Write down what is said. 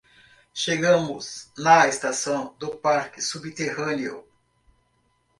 Chegamos na estação do parque subterrâneo